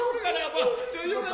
まあ。